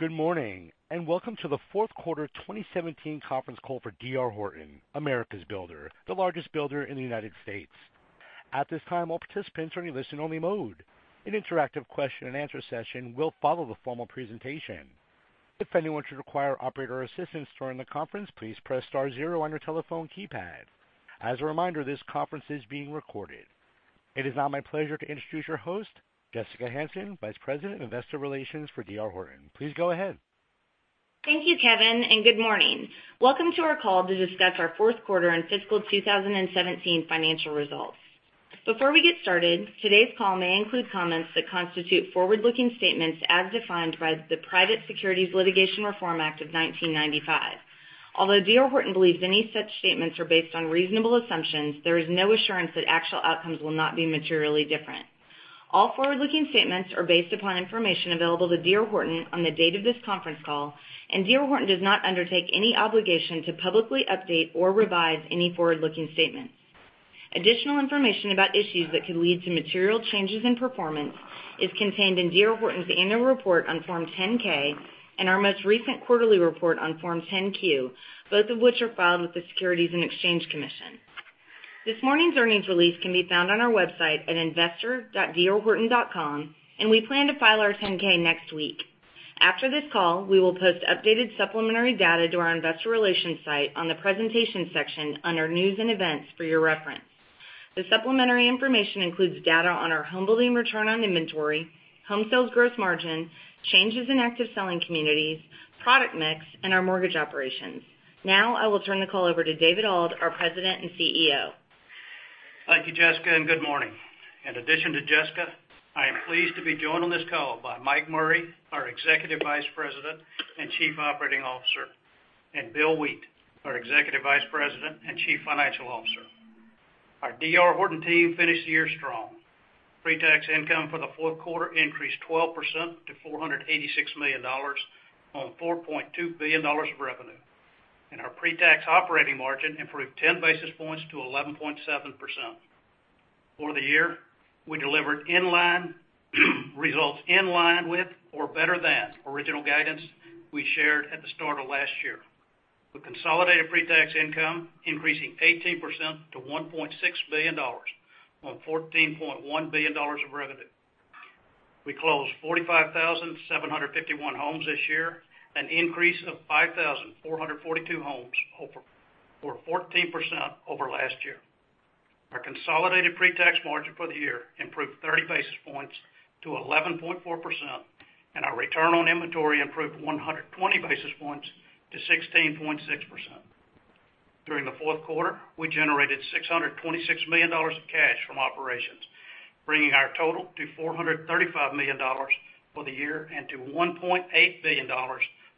Good morning. Welcome to the fourth quarter 2017 conference call for D.R. Horton, America's builder, the largest builder in the United States. At this time, all participants are in listen only mode. An interactive question and answer session will follow the formal presentation. If anyone should require operator assistance during the conference, please press star zero on your telephone keypad. As a reminder, this conference is being recorded. It is now my pleasure to introduce your host, Jessica Hansen, Vice President of Investor Relations for D.R. Horton. Please go ahead. Thank you, Kevin. Good morning. Welcome to our call to discuss our fourth quarter and fiscal 2017 financial results. Before we get started, today's call may include comments that constitute forward-looking statements as defined by the Private Securities Litigation Reform Act of 1995. Although D.R. Horton believes any such statements are based on reasonable assumptions, there is no assurance that actual outcomes will not be materially different. All forward-looking statements are based upon information available to D.R. Horton on the date of this conference call. D.R. Horton does not undertake any obligation to publicly update or revise any forward-looking statements. Additional information about issues that could lead to material changes in performance is contained in D.R. Horton's annual report on Form 10-K and our most recent quarterly report on Form 10-Q, both of which are filed with the Securities and Exchange Commission. This morning's earnings release can be found on our website at investor.drhorton.com. We plan to file our 10-K next week. After this call, we will post updated supplementary data to our investor relations site on the presentation section under news and events for your reference. The supplementary information includes data on our homebuilding return on inventory, home sales growth margin, changes in active selling communities, product mix, and our mortgage operations. Now, I will turn the call over to David Auld, our President and CEO. Thank you, Jessica. Good morning. In addition to Jessica, I am pleased to be joined on this call by Mike Murray, our Executive Vice President and Chief Operating Officer, and Bill Wheat, our Executive Vice President and Chief Financial Officer. Our D.R. Horton team finished the year strong. Pre-tax income for the fourth quarter increased 12% to $486 million on $4.2 billion of revenue. Our pre-tax operating margin improved 10 basis points to 11.7%. For the year, we delivered results in line with or better than original guidance we shared at the start of last year. With consolidated pre-tax income increasing 18% to $1.6 billion on $14.1 billion of revenue. We closed 45,751 homes this year, an increase of 5,442 homes or 14% over last year. Our consolidated pre-tax margin for the year improved 30 basis points to 11.4%, and our return on inventory improved 120 basis points to 16.6%. During the fourth quarter, we generated $626 million of cash from operations, bringing our total to $435 million for the year and to $1.8 billion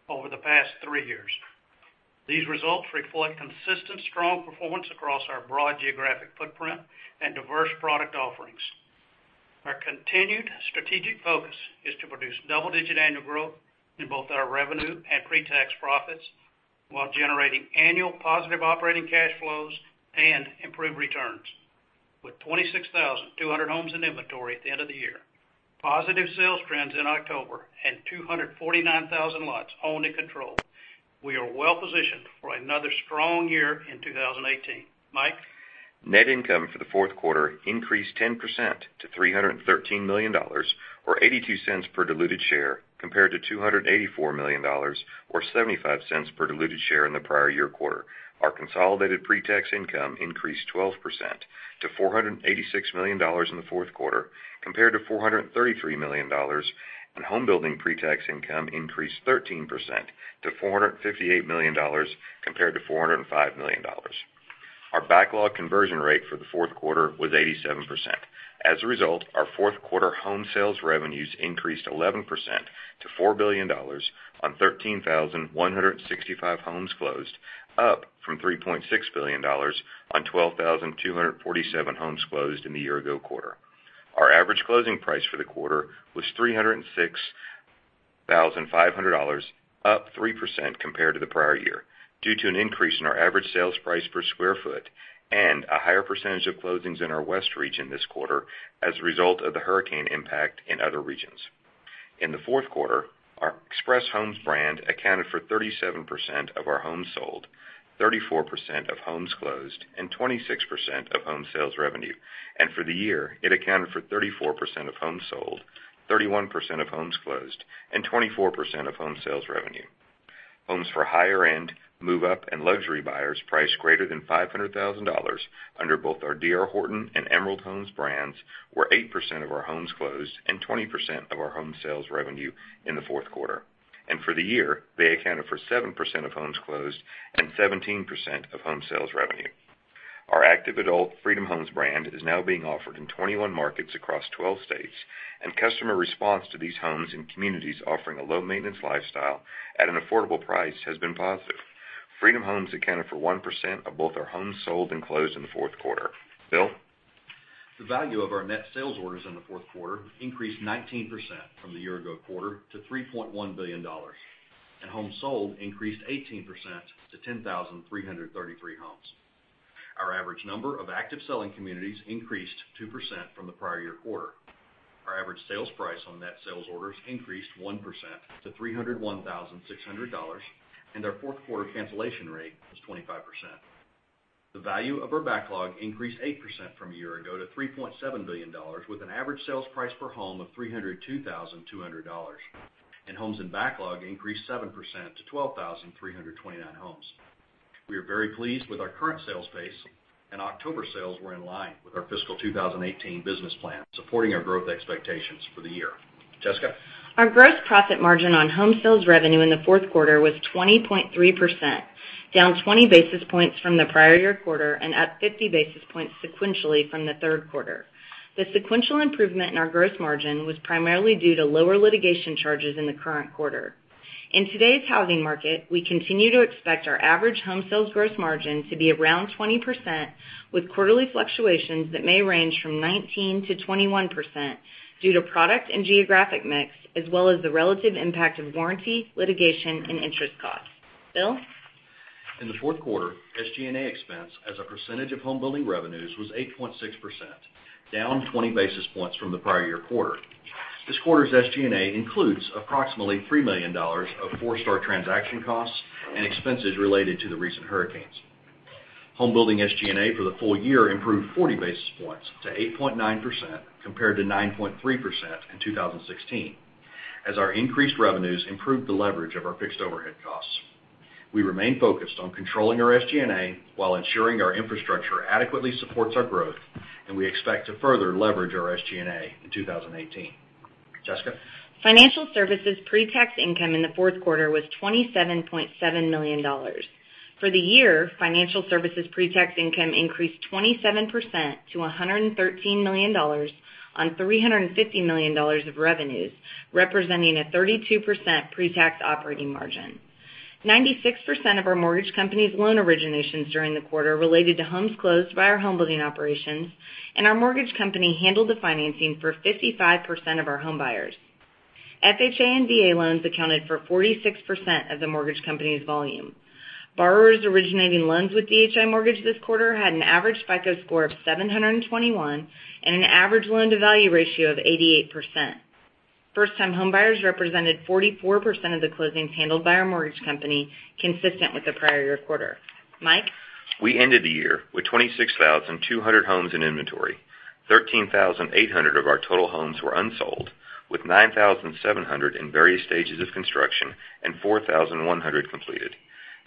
over the past three years. These results reflect consistent strong performance across our broad geographic footprint and diverse product offerings. Our continued strategic focus is to produce double-digit annual growth in both our revenue and pre-tax profits while generating annual positive operating cash flows and improved returns. With 26,200 homes in inventory at the end of the year, positive sales trends in October, and 249,000 lots owned and controlled, we are well positioned for another strong year in 2018. Mike? Net income for the fourth quarter increased 10% to $313 million, or $0.82 per diluted share, compared to $284 million or $0.75 per diluted share in the prior year quarter. Our consolidated pre-tax income increased 12% to $486 million in the fourth quarter compared to $433 million, and homebuilding pre-tax income increased 13% to $458 million, compared to $405 million. Our backlog conversion rate for the fourth quarter was 87%. As a result, our fourth quarter home sales revenues increased 11% to $4 billion on 13,165 homes closed, up from $3.6 billion on 12,247 homes closed in the year ago quarter. Our average closing price for the quarter was $306,500, up 3% compared to the prior year, due to an increase in our average sales price per square foot and a higher percentage of closings in our west region this quarter as a result of the hurricane impact in other regions. In the fourth quarter, our Express Homes brand accounted for 37% of our homes sold, 34% of homes closed and 26% of home sales revenue. For the year, it accounted for 34% of homes sold, 31% of homes closed, and 24% of home sales revenue. Homes for higher end, move-up, and luxury buyers priced greater than $500,000 under both our D.R. Horton and Emerald Homes brands were 8% of our homes closed and 20% of our home sales revenue in the fourth quarter. For the year, they accounted for 7% of homes closed and 17% of home sales revenue. Our active adult Freedom Homes brand is now being offered in 21 markets across 12 states, and customer response to these homes and communities offering a low-maintenance lifestyle at an affordable price has been positive. Freedom Homes accounted for 1% of both our homes sold and closed in the fourth quarter. Bill? The value of our net sales orders in the fourth quarter increased 19% from the year ago quarter to $3.1 billion. Homes sold increased 18% to 10,333 homes. Our average number of active selling communities increased 2% from the prior year quarter. Our average sales price on net sales orders increased 1% to $301,600. Our fourth quarter cancellation rate was 25%. The value of our backlog increased 8% from a year ago to $3.7 billion, with an average sales price per home of $302,200. Homes in backlog increased 7% to 12,329 homes. We are very pleased with our current sales pace, and October sales were in line with our fiscal 2018 business plan, supporting our growth expectations for the year. Jessica? Our gross profit margin on home sales revenue in the fourth quarter was 20.3%, down 20 basis points from the prior year quarter. Up 50 basis points sequentially from the third quarter, the sequential improvement in our gross margin was primarily due to lower litigation charges in the current quarter. In today's housing market, we continue to expect our average home sales gross margin to be around 20%, with quarterly fluctuations that may range from 19%-21% due to product and geographic mix, as well as the relative impact of warranty, litigation, and interest costs. Bill? In the fourth quarter, SG&A expense as a percentage of homebuilding revenues was 8.6%, down 20 basis points from the prior year quarter. This quarter's SG&A includes approximately $3 million of Forestar transaction costs and expenses related to the recent hurricanes. Homebuilding SG&A for the full year improved 40 basis points to 8.9%, compared to 9.3% in 2016, as our increased revenues improved the leverage of our fixed overhead costs. We remain focused on controlling our SG&A while ensuring our infrastructure adequately supports our growth. We expect to further leverage our SG&A in 2018. Jessica? Financial services pre-tax income in the fourth quarter was $27.7 million. For the year, financial services pre-tax income increased 27% to $113 million on $350 million of revenues, representing a 32% pre-tax operating margin. 96% of our mortgage company's loan originations during the quarter related to homes closed by our homebuilding operations, and our mortgage company handled the financing for 55% of our home buyers. FHA and VA loans accounted for 46% of the mortgage company's volume. Borrowers originating loans with DHI Mortgage this quarter had an average FICO score of 721 and an average loan-to-value ratio of 88%. First-time homebuyers represented 44% of the closings handled by our mortgage company, consistent with the prior year quarter. Mike? We ended the year with 26,200 homes in inventory. 13,800 of our total homes were unsold, with 9,700 in various stages of construction and 4,100 completed.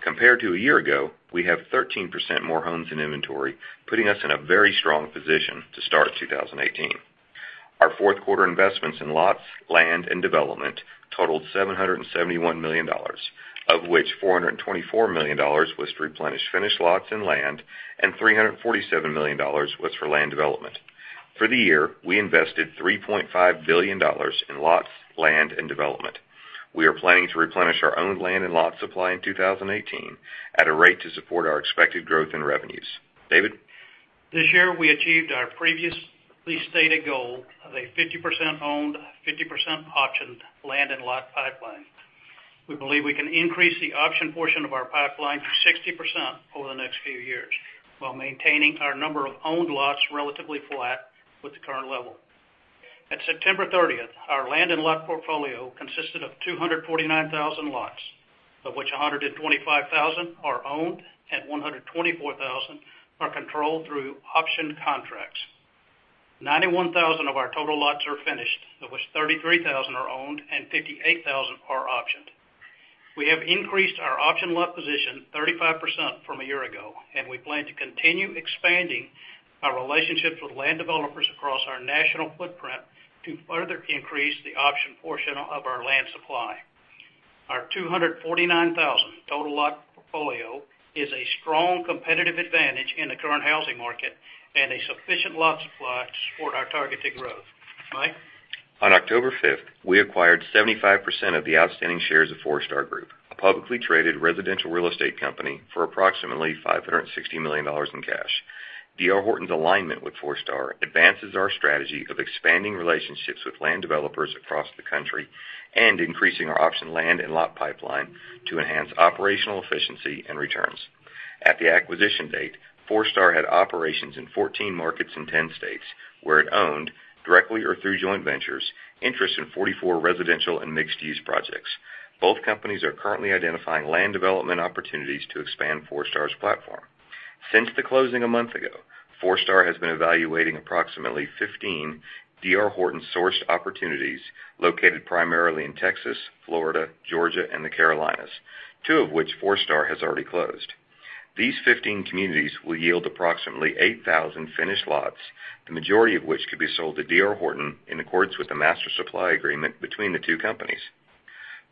Compared to a year ago, we have 13% more homes in inventory, putting us in a very strong position to start 2018. Our fourth quarter investments in lots, land, and development totaled $771 million, of which $424 million was to replenish finished lots and land, and $347 million was for land development. For the year, we invested $3.5 billion in lots, land, and development. We are planning to replenish our owned land and lot supply in 2018 at a rate to support our expected growth in revenues. David? This year, we achieved our previously stated goal of a 50% owned, 50% optioned land and lot pipeline. We believe we can increase the optioned portion of our pipeline to 60% over the next few years while maintaining our number of owned lots relatively flat with the current level. At September 30th, our land and lot portfolio consisted of 249,000 lots, of which 125,000 are owned and 124,000 are controlled through option contracts. 91,000 of our total lots are finished, of which 33,000 are owned and 58,000 are optioned. We have increased our option lot position 35% from a year ago. We plan to continue expanding our relationships with land developers across our national footprint to further increase the optioned portion of our land supply. Our 249,000 total lot portfolio is a strong competitive advantage in the current housing market and a sufficient lot supply to support our targeted growth. Mike? On October 5th, we acquired 75% of the outstanding shares of Forestar Group, a publicly traded residential real estate company, for approximately $560 million in cash. D.R. Horton's alignment with Forestar advances our strategy of expanding relationships with land developers across the country and increasing our optioned land and lot pipeline to enhance operational efficiency and returns. At the acquisition date, Forestar had operations in 14 markets in 10 states, where it owned, directly or through joint ventures, interests in 44 residential and mixed-use projects. Both companies are currently identifying land development opportunities to expand Forestar's platform. Since the closing a month ago, Forestar has been evaluating approximately 15 D.R. Horton-sourced opportunities located primarily in Texas, Florida, Georgia, and the Carolinas, two of which Forestar has already closed. These 15 communities will yield approximately 8,000 finished lots, the majority of which could be sold to D.R. Horton in accordance with the master supply agreement between the two companies.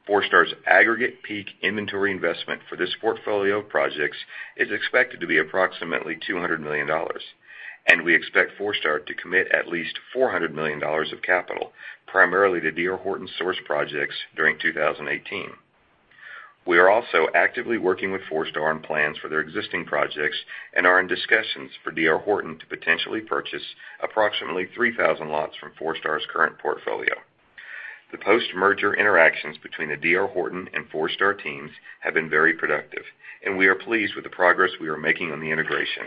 Forestar's aggregate peak inventory investment for this portfolio of projects is expected to be approximately $200 million, and we expect Forestar to commit at least $400 million of capital, primarily to D.R. Horton-sourced projects during 2018. We are also actively working with Forestar on plans for their existing projects and are in discussions for D.R. Horton to potentially purchase approximately 3,000 lots from Forestar's current portfolio. The post-merger interactions between the D.R. Horton and Forestar teams have been very productive, and we are pleased with the progress we are making on the integration.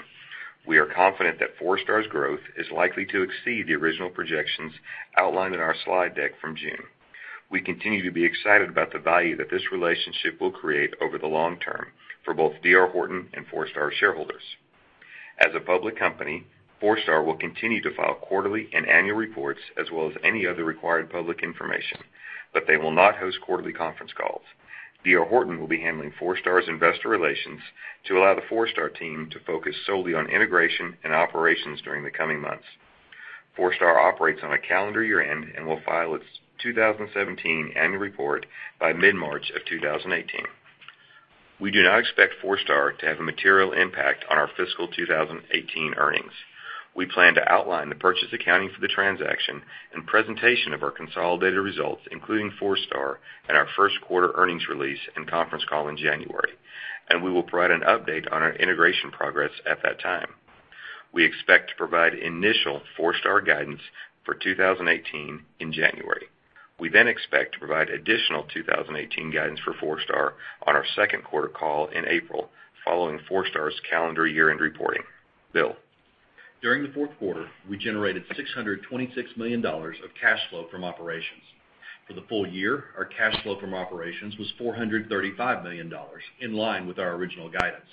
We are confident that Forestar's growth is likely to exceed the original projections outlined in our slide deck from June. We continue to be excited about the value that this relationship will create over the long term for both D.R. Horton and Forestar shareholders. As a public company, Forestar will continue to file quarterly and annual reports, as well as any other required public information, but they will not host quarterly conference calls. D.R. Horton will be handling Forestar's investor relations to allow the Forestar team to focus solely on integration and operations during the coming months. Forestar operates on a calendar year-end and will file its 2017 annual report by mid-March of 2018. We do not expect Forestar to have a material impact on our fiscal 2018 earnings. We plan to outline the purchase accounting for the transaction and presentation of our consolidated results, including Forestar in our first quarter earnings release and conference call in January, and we will provide an update on our integration progress at that time. We expect to provide initial Forestar guidance for 2018 in January. We then expect to provide additional 2018 guidance for Forestar on our second quarter call in April, following Forestar's calendar year-end reporting. Bill. During the fourth quarter, we generated $626 million of cash flow from operations. For the full year, our cash flow from operations was $435 million, in line with our original guidance.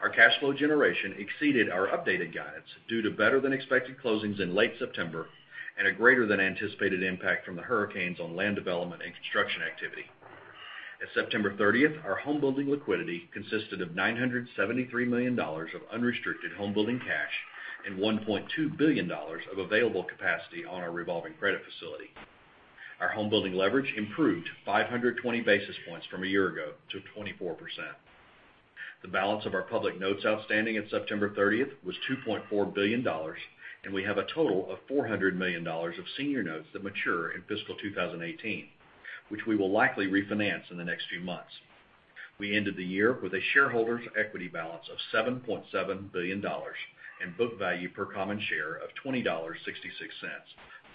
Our cash flow generation exceeded our updated guidance due to better-than-expected closings in late September and a greater than anticipated impact from the hurricanes on land development and construction activity. At September 30th, our home building liquidity consisted of $973 million of unrestricted home building cash and $1.2 billion of available capacity on our revolving credit facility. Our home building leverage improved 520 basis points from a year ago to 24%. The balance of our public notes outstanding at September 30th was $2.4 billion, and we have a total of $400 million of senior notes that mature in fiscal 2018, which we will likely refinance in the next few months. We ended the year with a shareholders' equity balance of $7.7 billion, and book value per common share of $20.66,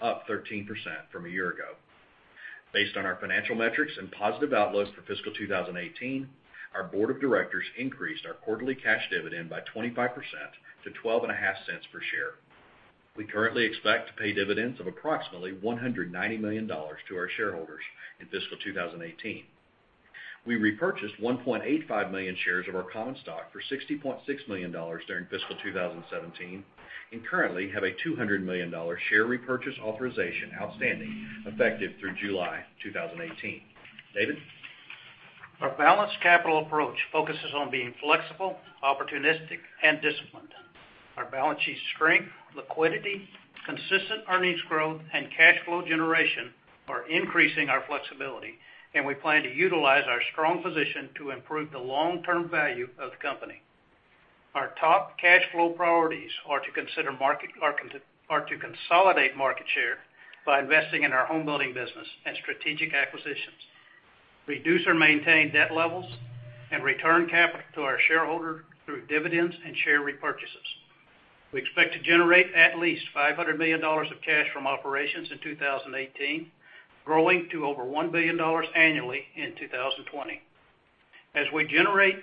up 13% from a year ago. Based on our financial metrics and positive outlook for fiscal 2018, our board of directors increased our quarterly cash dividend by 25% to $0.125 per share. We currently expect to pay dividends of approximately $190 million to our shareholder in fiscal 2018. We repurchased 1.85 million shares of our common stock for $60.6 million during fiscal 2017, and currently have a $200 million share repurchase authorization outstanding effective through July 2018. David? Our balanced capital approach focuses on being flexible, opportunistic, and disciplined. Our balance sheet strength, liquidity, consistent earnings growth, and cash flow generation are increasing our flexibility, and we plan to utilize our strong position to improve the long-term value of the company. Our top cash flow priorities are to consolidate market share by investing in our home building business and strategic acquisitions, reduce or maintain debt levels, and return capital to our shareholder through dividends and share repurchases. We expect to generate at least $500 million of cash from operations in 2018, growing to over $1 billion annually in 2020. As we generate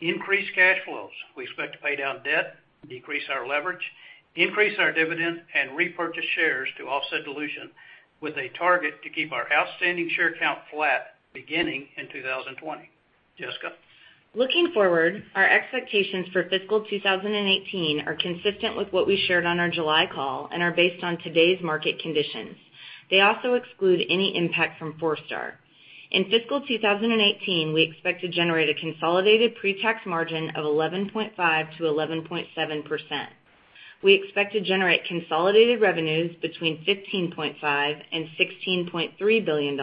increased cash flows, we expect to pay down debt, decrease our leverage, increase our dividends, and repurchase shares to offset dilution with a target to keep our outstanding share count flat beginning in 2020. Jessica. Looking forward, our expectations for fiscal 2018 are consistent with what we shared on our July call, and are based on today's market conditions. They also exclude any impact from Forestar. In fiscal 2018, we expect to generate a consolidated pre-tax margin of 11.5%-11.7%. We expect to generate consolidated revenues between $15.5 billion and $16.3 billion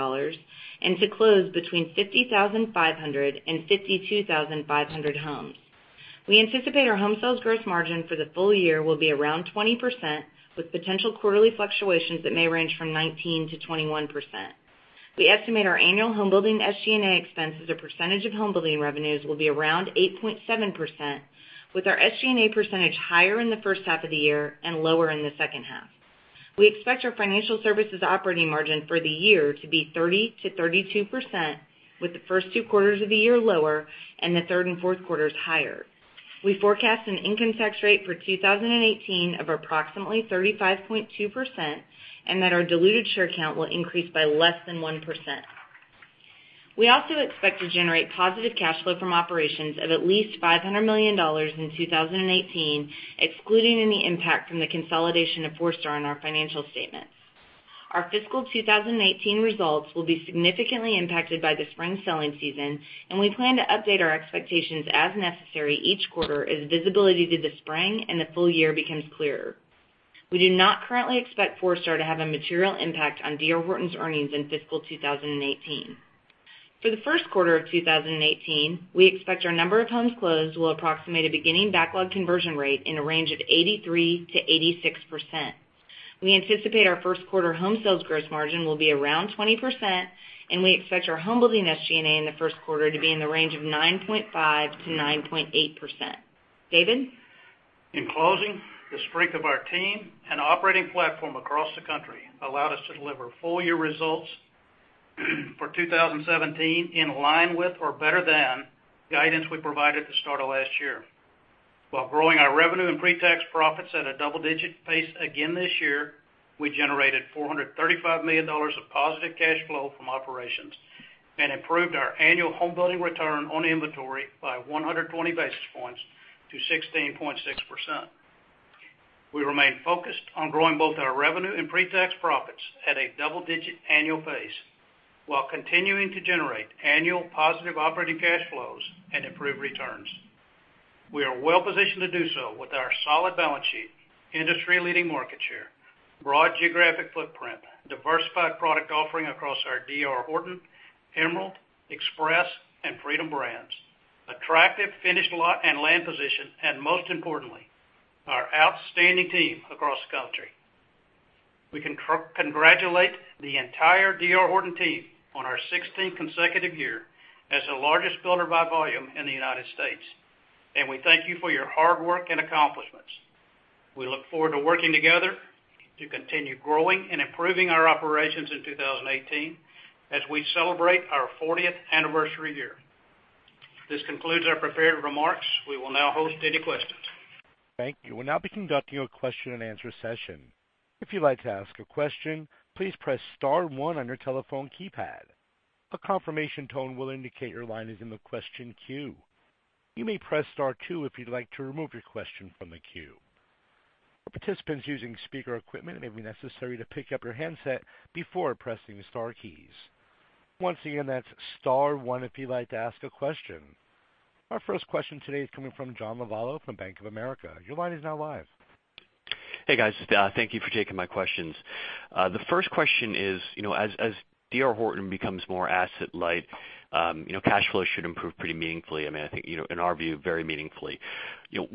and to close between 50,500 and 52,500 homes. We anticipate our home sales gross margin for the full year will be around 20%, with potential quarterly fluctuations that may range from 19%-21%. We estimate our annual home building SG&A expense as a percentage of home building revenues will be around 8.7%, with our SG&A percentage higher in the first half of the year and lower in the second half. We expect our financial services operating margin for the year to be 30%-32%, with the first two quarters of the year lower and the third and fourth quarters higher. We forecast an income tax rate for 2018 of approximately 35.2%, and that our diluted share count will increase by less than 1%. We also expect to generate positive cash flow from operations of at least $500 million in 2018, excluding any impact from the consolidation of Forestar on our financial statements. Our fiscal 2018 results will be significantly impacted by the spring selling season, and we plan to update our expectations as necessary each quarter as visibility through the spring and the full year becomes clearer. We do not currently expect Forestar to have a material impact on D.R. Horton's earnings in fiscal 2018. For the first quarter of 2018, we expect our number of homes closed will approximate a beginning backlog conversion rate in a range of 83%-86%. We anticipate our first quarter home sales gross margin will be around 20%, and we expect our home building SG&A in the first quarter to be in the range of 9.5%-9.8%. David? In closing, the strength of our team and operating platform across the country allowed us to deliver full-year results for 2017 in line with or better than guidance we provided at the start of last year. While growing our revenue and pre-tax profits at a double-digit pace again this year, we generated $435 million of positive cash flow from operations and improved our annual homebuilding return on inventory by 120 basis points to 16.6%. We remain focused on growing both our revenue and pre-tax profits at a double-digit annual pace while continuing to generate annual positive operating cash flows and improved returns. We are well-positioned to do so with our solid balance sheet, industry-leading market share, broad geographic footprint, diversified product offering across our D.R. Horton, Emerald, Express, and Freedom brands, attractive finished lot and land position, and most importantly, our outstanding team across the country. We congratulate the entire D.R. Horton team on our 16th consecutive year as the largest builder by volume in the U.S., and we thank you for your hard work and accomplishments. We look forward to working together to continue growing and improving our operations in 2018 as we celebrate our 40th anniversary year. This concludes our prepared remarks. We will now host any questions. Thank you. We'll now be conducting a question-and-answer session. If you'd like to ask a question, please press *1 on your telephone keypad. A confirmation tone will indicate your line is in the question queue. You may press *2 if you'd like to remove your question from the queue. For participants using speaker equipment, it may be necessary to pick up your handset before pressing the star keys. Once again, that's *1 if you'd like to ask a question. Our first question today is coming from John Lovallo from Bank of America. Your line is now live. Hey, guys. Thank you for taking my questions. The first question is, as D.R. Horton becomes more asset-light, cash flow should improve pretty meaningfully. I think, in our view, very meaningfully.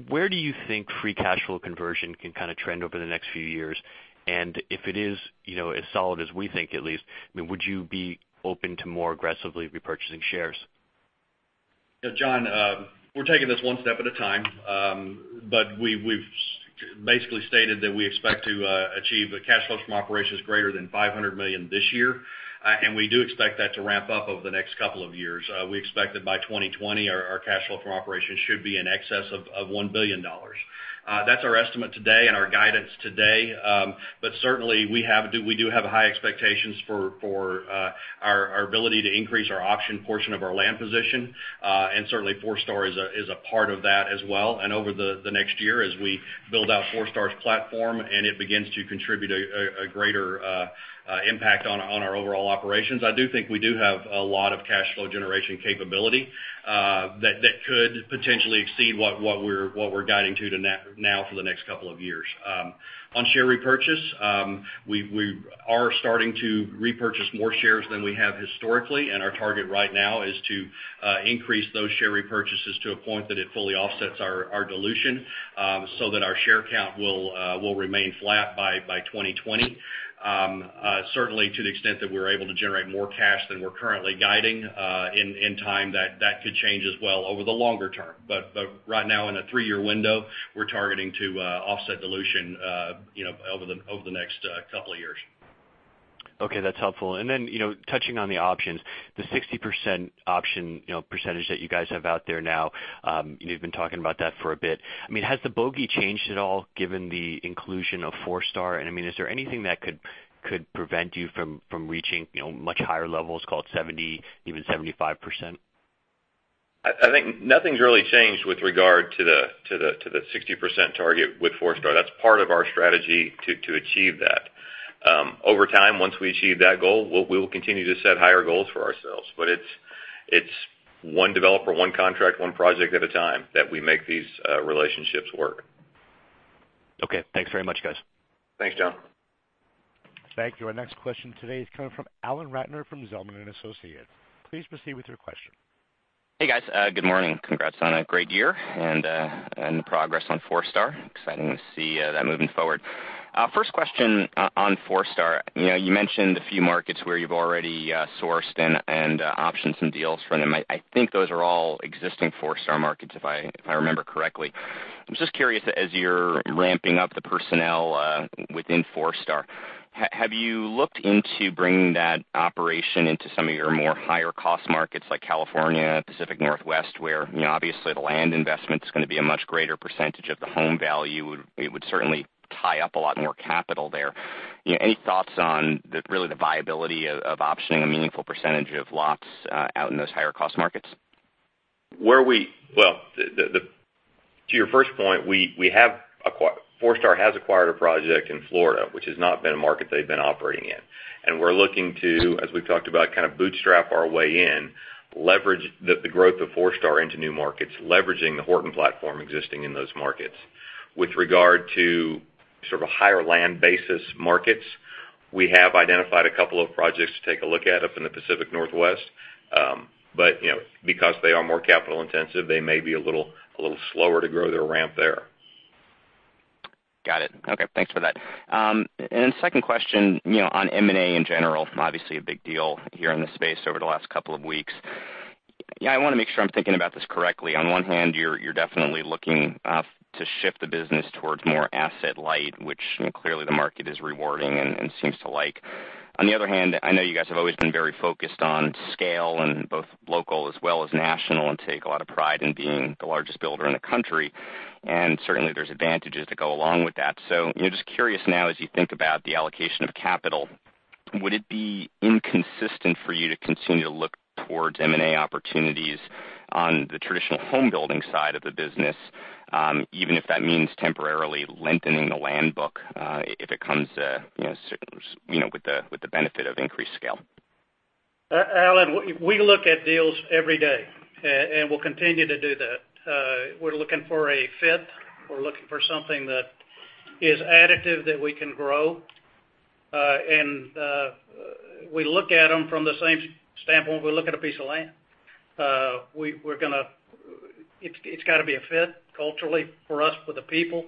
Where do you think free cash flow conversion can kind of trend over the next few years? If it is as solid as we think, at least, would you be open to more aggressively repurchasing shares? Yeah, John, we're taking this one step at a time. We've basically stated that we expect to achieve cash flows from operations greater than $500 million this year, and we do expect that to ramp up over the next couple of years. We expect that by 2020, our cash flow from operations should be in excess of $1 billion. That's our estimate today and our guidance today. Certainly, we do have high expectations for our ability to increase our option portion of our land position. Certainly, Forestar is a part of that as well. Over the next year, as we build out Forestar's platform, and it begins to contribute a greater impact on our overall operations, I do think we do have a lot of cash flow generation capability that could potentially exceed what we're guiding to now for the next couple of years. On share repurchase, we are starting to repurchase more shares than we have historically, our target right now is to increase those share repurchases to a point that it fully offsets our dilution, that our share count will remain flat by 2020. Certainly, to the extent that we're able to generate more cash than we're currently guiding in time, that could change as well over the longer term. Right now, in a three-year window, we're targeting to offset dilution over the next couple of years. Okay, that's helpful. Then touching on the options, the 60% option percentage that you guys have out there now, you've been talking about that for a bit. Has the bogey changed at all given the inclusion of Forestar? Is there anything that could prevent you from reaching much higher levels, call it 70%, even 75%? I think nothing's really changed with regard to the 60% target with Forestar. That's part of our strategy to achieve that. Over time, once we achieve that goal, we will continue to set higher goals for ourselves, but it's one developer, one contract, one project at a time that we make these relationships work. Okay. Thanks very much, guys. Thanks, John. Thank you. Our next question today is coming from Alan Ratner from Zelman & Associates. Please proceed with your question. Hey, guys. Good morning. Congrats on a great year and the progress on Forestar. Exciting to see that moving forward. First question on Forestar. You mentioned a few markets where you've already sourced and optioned some deals from them. I think those are all existing Forestar markets if I remember correctly. I'm just curious, as you're ramping up the personnel within Forestar, have you looked into bringing that operation into some of your more higher-cost markets like California, Pacific Northwest, where obviously the land investment is going to be a much greater percentage of the home value? It would certainly tie up a lot more capital there. Any thoughts on really the viability of optioning a meaningful percentage of lots out in those higher-cost markets? To your first point, Forestar has acquired a project in Florida, which has not been a market they've been operating in. We're looking to, as we've talked about, kind of bootstrap our way in, leverage the growth of Forestar into new markets, leveraging the Horton platform existing in those markets. With regard to sort of higher land basis markets, we have identified a couple of projects to take a look at up in the Pacific Northwest. Because they are more capital-intensive, they may be a little slower to grow their ramp there. Got it. Okay, thanks for that. Second question, on M&A in general, obviously a big deal here in this space over the last couple of weeks. I want to make sure I'm thinking about this correctly. On one hand, you're definitely looking to shift the business towards more asset light, which clearly the market is rewarding and seems to like. On the other hand, I know you guys have always been very focused on scale in both local as well as national, and take a lot of pride in being the largest builder in the country, and certainly there's advantages that go along with that. Just curious now as you think about the allocation of capital, would it be inconsistent for you to continue to look towards M&A opportunities on the traditional home building side of the business, even if that means temporarily lengthening the land book, if it comes with the benefit of increased scale? Alan, we look at deals every day, and we'll continue to do that. We're looking for a fit. We're looking for something that is additive that we can grow. We look at them from the same standpoint we look at a piece of land. It's got to be a fit culturally for us, for the people.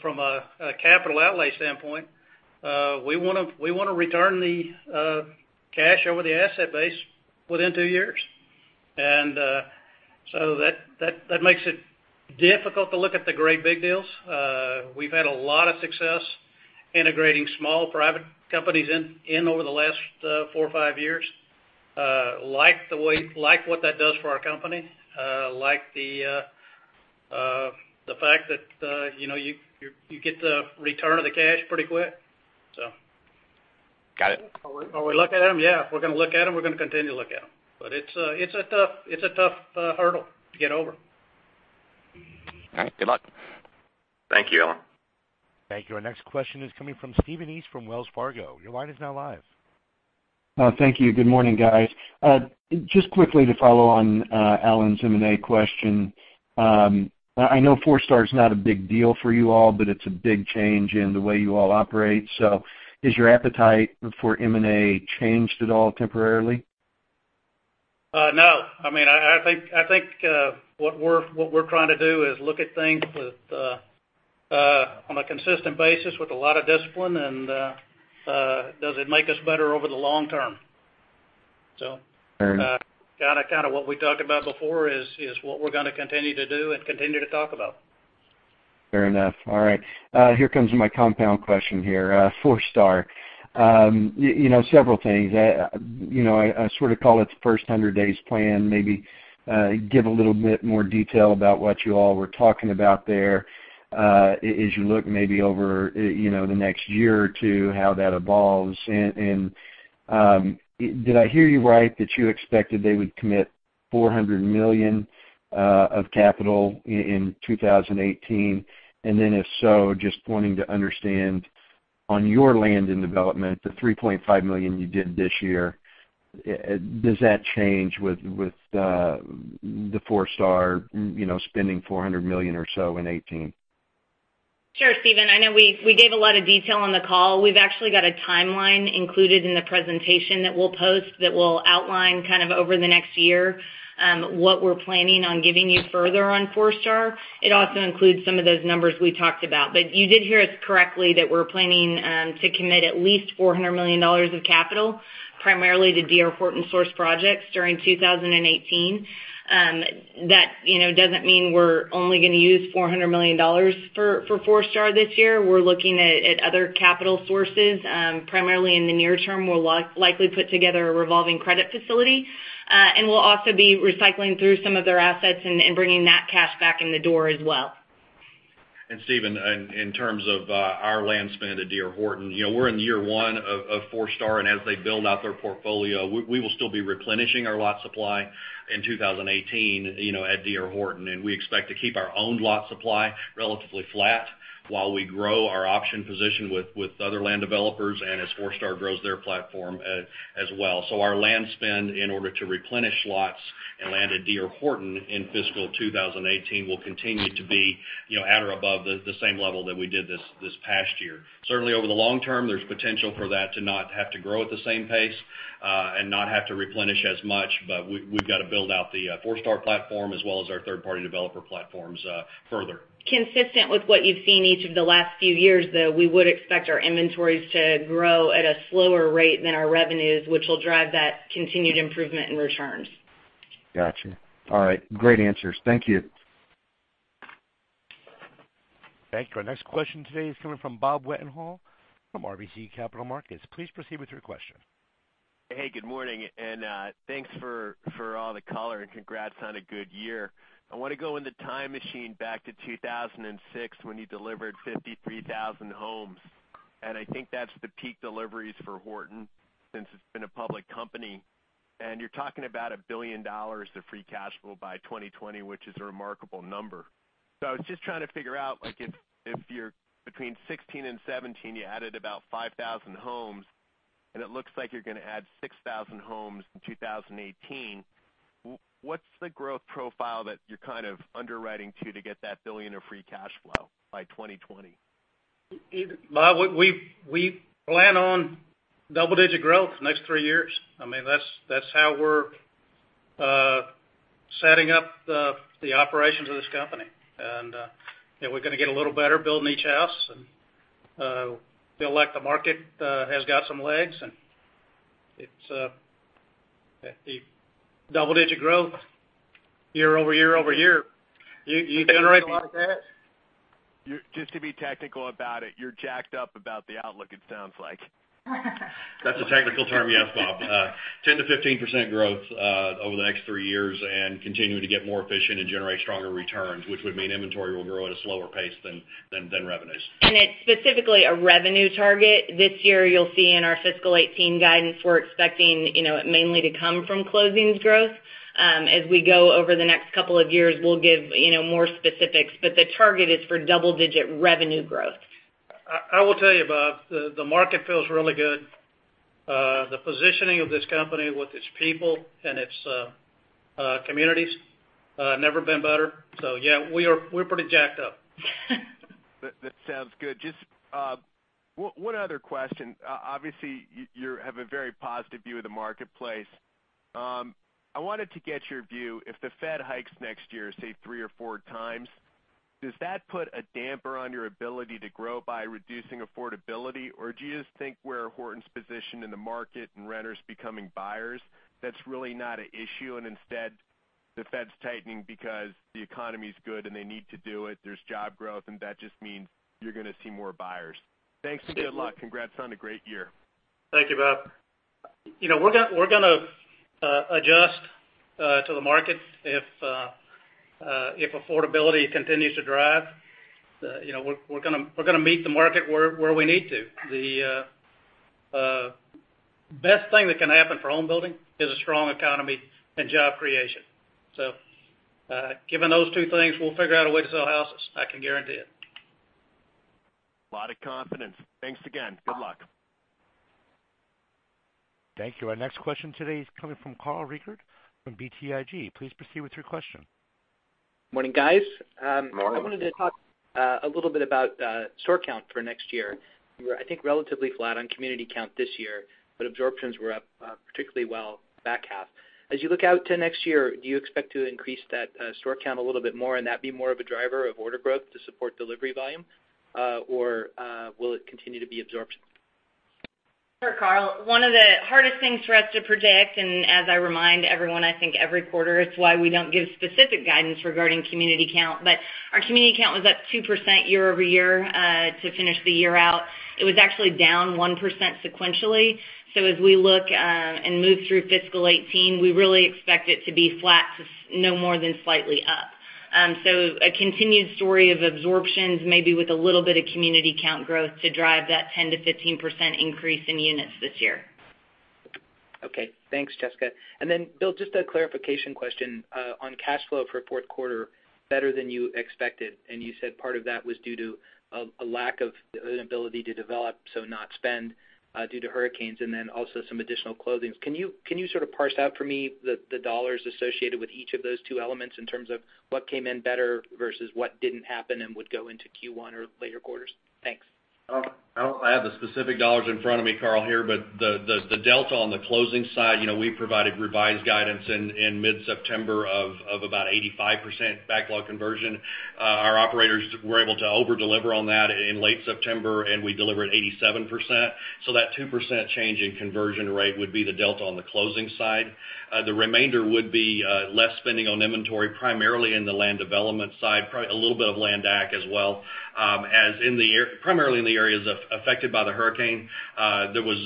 From a capital outlay standpoint, we want to return the cash over the asset base within 2 years. That makes it difficult to look at the great big deals. We've had a lot of success integrating small private companies in over the last 4 or 5 years. Like what that does for our company. Like the fact that you get the return of the cash pretty quick, so. Got it. Are we looking at them? Yeah. If we're going to look at them, we're going to continue to look at them. It's a tough hurdle to get over. All right. Good luck. Thank you, Alan. Thank you. Our next question is coming from Stephen East from Wells Fargo. Your line is now live. Thank you. Good morning, guys. Just quickly to follow on Alan's M&A question. I know Forestar is not a big deal for you all, but it's a big change in the way you all operate. Is your appetite for M&A changed at all temporarily? No. I think what we're trying to do is look at things on a consistent basis with a lot of discipline, and does it make us better over the long term? Fair enough. Kind of what we talked about before is what we're going to continue to do and continue to talk about. Fair enough. All right. Here comes my compound question here. Forestar. Several things. I sort of call it the first 100 days plan. Maybe give a little bit more detail about what you all were talking about there, as you look maybe over the next year or two, how that evolves. Did I hear you right that you expected they would commit $400 million of capital in 2018? If so, just wanting to understand, on your land and development, the $3.5 million you did this year, does that change with Forestar spending $400 million or so in 2018? Sure, Stephen, I know we gave a lot of detail on the call. We've actually got a timeline included in the presentation that we'll post that will outline kind of over the next year what we're planning on giving you further on Forestar. It also includes some of those numbers we talked about. You did hear us correctly that we're planning to commit at least $400 million of capital, primarily to D.R. Horton source projects during 2018. That doesn't mean we're only going to use $400 million for Forestar this year. We're looking at other capital sources. Primarily in the near term, we'll likely put together a revolving credit facility. We'll also be recycling through some of their assets and bringing that cash back in the door as well. Stephen, in terms of our land spend at D.R. Horton, we're in year one of Forestar, and as they build out their portfolio, we will still be replenishing our lot supply in 2018 at D.R. Horton. We expect to keep our own lot supply relatively flat while we grow our option position with other land developers and as Forestar grows their platform as well. Our land spend in order to replenish lots and land at D.R. Horton in fiscal 2018 will continue to be at or above the same level that we did this past year. Certainly over the long term, there's potential for that to not have to grow at the same pace, and not have to replenish as much. We've got to build out the Forestar platform as well as our third-party developer platforms further. Consistent with what you've seen each of the last few years, though, we would expect our inventories to grow at a slower rate than our revenues, which will drive that continued improvement in returns. Got you. All right. Great answers. Thank you. Thank you. Our next question today is coming from Bob Wetenhall from RBC Capital Markets. Please proceed with your question. Hey, good morning. Thanks for all the color, and congrats on a good year. I want to go in the time machine back to 2006 when you delivered 53,000 homes, and I think that's the peak deliveries for Horton since it's been a public company. You're talking about $1 billion of free cash flow by 2020, which is a remarkable number. I was just trying to figure out, if between 2016 and 2017, you added about 5,000 homes, and it looks like you're going to add 6,000 homes in 2018, what's the growth profile that you're kind of underwriting to get that $1 billion of free cash flow by 2020? Bob, we plan on double-digit growth the next three years. That's how we're setting up the operations of this company. We're going to get a little better building each house and feel like the market has got some legs, and it's the double-digit growth year over year over year. You generate a lot of that. Just to be technical about it, you're jacked up about the outlook, it sounds like. That's a technical term, yes, Bob. 10%-15% growth over the next three years, continuing to get more efficient and generate stronger returns, which would mean inventory will grow at a slower pace than revenues. It's specifically a revenue target. This year, you'll see in our fiscal 2018 guidance, we're expecting it mainly to come from closings growth. As we go over the next couple of years, we'll give more specifics. The target is for double-digit revenue growth. I will tell you, Bob, the market feels really good. The positioning of this company with its people and its communities, never been better. Yeah, we're pretty jacked up. That sounds good. Just one other question. Obviously, you have a very positive view of the marketplace. I wanted to get your view, if the Fed hikes next year, say three or four times, does that put a damper on your ability to grow by reducing affordability? Do you just think where Horton's positioned in the market and renters becoming buyers, that's really not an issue, and instead the Fed's tightening because the economy's good and they need to do it. There's job growth, that just means you're going to see more buyers. Thanks and good luck. Congrats on a great year. Thank you, Bob. We're going to adjust to the market if affordability continues to drive. We're going to meet the market where we need to. The best thing that can happen for home building is a strong economy and job creation. Given those two things, we'll figure out a way to sell houses, I can guarantee it. A lot of confidence. Thanks again. Good luck. Thank you. Our next question today is coming from Carl Reichardt from BTIG. Please proceed with your question. Morning, guys. Morning. I wanted to talk a little bit about store count for next year. You were, I think, relatively flat on community count this year, but absorptions were up particularly well back half. As you look out to next year, do you expect to increase that store count a little bit more, and that be more of a driver of order growth to support delivery volume? Or will it continue to be absorption? Sure, Carl. One of the hardest things for us to project, and as I remind everyone, I think every quarter, it's why we don't give specific guidance regarding community count. Our community count was up 2% year-over-year to finish the year out. It was actually down 1% sequentially. As we look and move through fiscal 2018, we really expect it to be flat to no more than slightly up. A continued story of absorptions, maybe with a little bit of community count growth to drive that 10%-15% increase in units this year. Okay. Thanks, Jessica. Bill, just a clarification question on cash flow for fourth quarter, better than you expected, and you said part of that was due to a lack of an ability to develop, so not spend due to hurricanes, and then also some additional closings. Can you sort of parse out for me the dollars associated with each of those two elements in terms of what came in better versus what didn't happen and would go into Q1 or later quarters? Thanks. I don't have the specific dollars in front of me, Karl, here. The delta on the closing side, we provided revised guidance in mid-September of about 85% backlog conversion. Our operators were able to over-deliver on that in late September, and we delivered 87%. That 2% change in conversion rate would be the delta on the closing side. The remainder would be less spending on inventory, primarily in the land development side, probably a little bit of land acq as well. Primarily in the areas affected by the hurricane, there was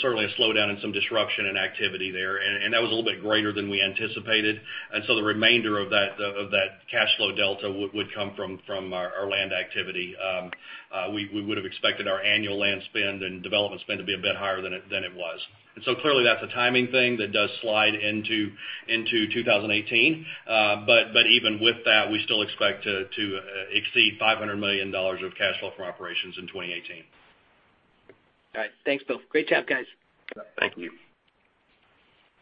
certainly a slowdown and some disruption in activity there, and that was a little bit greater than we anticipated. The remainder of that cash flow delta would come from our land activity. We would have expected our annual land spend and development spend to be a bit higher than it was. Clearly that's a timing thing that does slide into 2018. Even with that, we still expect to exceed $500 million of cash flow from operations in 2018. All right. Thanks, Bill. Great job, guys. Thank you.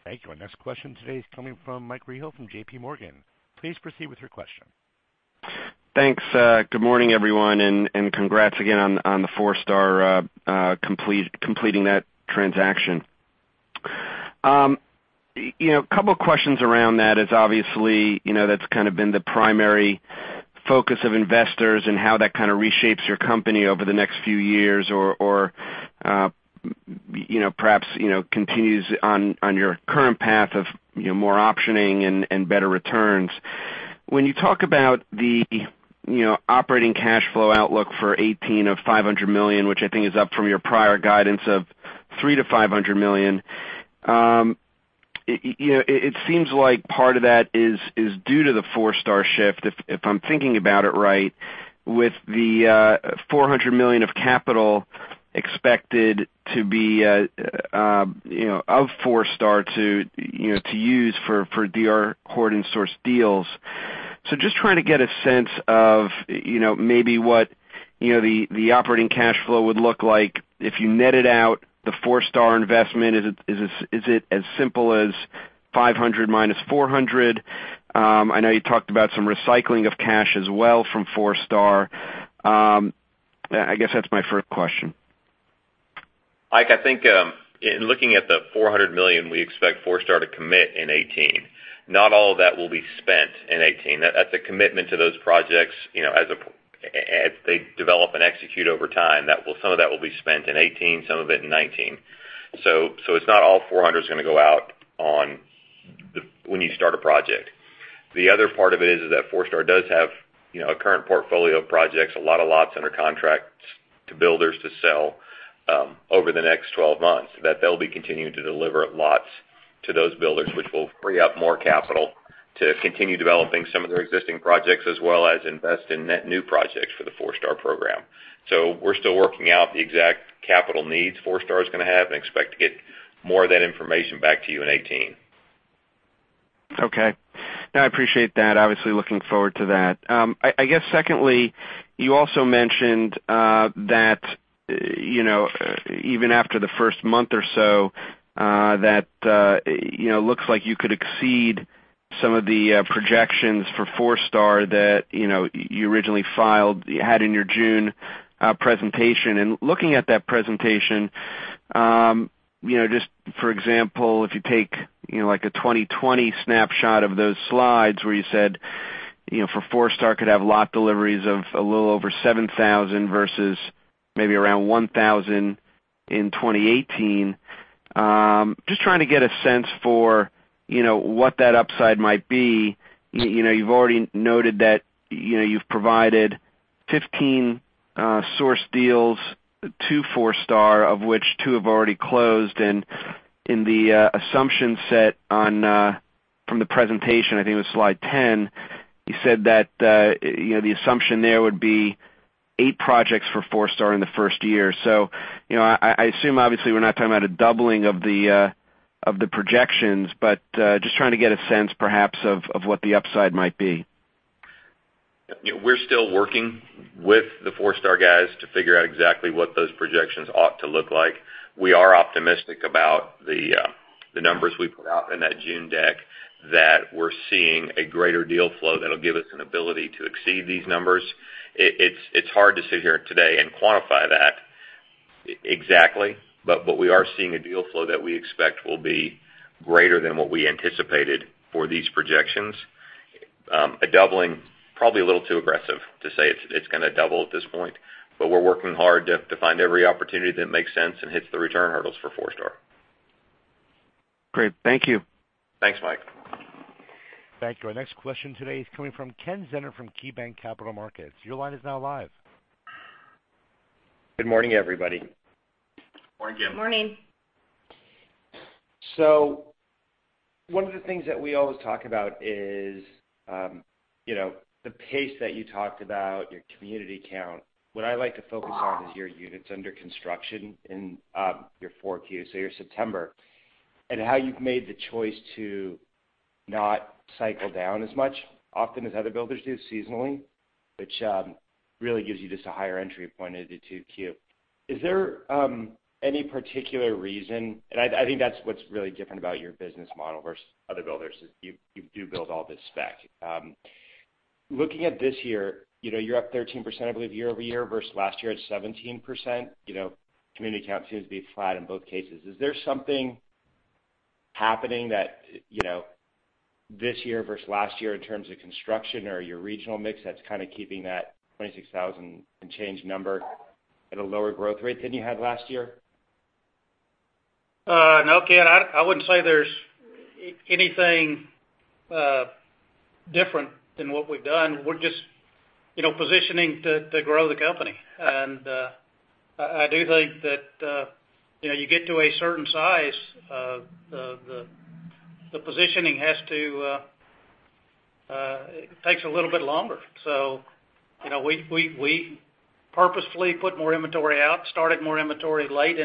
Thank you. Our next question today is coming from Mike Rehaut from JPMorgan. Please proceed with your question. Thanks. Good morning, everyone, and congrats again on the Forestar completing that transaction. A couple questions around that is, obviously, that's kind of been the primary focus of investors and how that kind of reshapes your company over the next few years or perhaps continues on your current path of more optioning and better returns. When you talk about the operating cash flow outlook for 2018 of $500 million, which I think is up from your prior guidance of $300 million-$500 million, it seems like part of that is due to the Forestar shift, if I'm thinking about it right, with the $400 million of capital expected to be of Forestar to use for D.R. Horton sourced deals. Just trying to get a sense of maybe what the operating cash flow would look like if you netted out the Forestar investment. Is it as simple as 500 minus 400? I know you talked about some recycling of cash as well from Forestar. I guess that's my first question. Mike, I think in looking at the $400 million we expect Forestar to commit in 2018, not all of that will be spent in 2018. That's a commitment to those projects, as they develop and execute over time, some of that will be spent in 2018, some of it in 2019. It's not all $400 million is going to go out when you start a project. The other part of it is that Forestar does have a current portfolio of projects, a lot of lots under contracts to builders to sell over the next 12 months, that they'll be continuing to deliver lots to those builders, which will free up more capital to continue developing some of their existing projects, as well as invest in net new projects for the Forestar program. We're still working out the exact capital needs Forestar's going to have and expect to get more of that information back to you in 2018. Okay. No, I appreciate that. Obviously, looking forward to that. I guess secondly, you also mentioned that even after the first month or so, that it looks like you could exceed some of the projections for Forestar that you originally filed, you had in your June presentation. Looking at that presentation, just for example, if you take a 2020 snapshot of those slides where you said, for Forestar could have lot deliveries of a little over 7,000 versus maybe around 1,000 in 2018. Just trying to get a sense for what that upside might be. You've already noted that you've provided 15 source deals to Forestar, of which two have already closed. In the assumption set from the presentation, I think it was slide 10, you said that the assumption there would be eight projects for Forestar in the first year. I assume obviously we're not talking about a doubling of the projections, but just trying to get a sense perhaps of what the upside might be. We're still working with the Forestar guys to figure out exactly what those projections ought to look like. We are optimistic about the numbers we put out in that June deck, that we're seeing a greater deal flow that'll give us an ability to exceed these numbers. It's hard to sit here today and quantify that exactly, but what we are seeing a deal flow that we expect will be greater than what we anticipated for these projections. A doubling, probably a little too aggressive to say it's going to double at this point, but we're working hard to find every opportunity that makes sense and hits the return hurdles for Forestar. Great. Thank you. Thanks, Mike. Thank you. Our next question today is coming from Ken Zener from KeyBanc Capital Markets. Your line is now live. Good morning, everybody. Morning, Ken. Morning. One of the things that we always talk about is the pace that you talked about, your community count. What I like to focus on is your units under construction in your 4Q, so your September, and how you've made the choice to not cycle down as much often as other builders do seasonally, which really gives you just a higher entry point into 2Q. Is there any particular reason? I think that's what's really different about your business model versus other builders, is you do build all this spec. Looking at this year, you're up 13%, I believe, year-over-year versus last year at 17%. Community count seems to be flat in both cases. Is there something happening that this year versus last year in terms of construction or your regional mix that's kind of keeping that 26,000 and change number at a lower growth rate than you had last year? No, Ken, I wouldn't say there's anything different than what we've done. We're just positioning to grow the company. I do think that you get to a certain size, the positioning takes a little bit longer. We purposefully put more inventory out, started more inventory late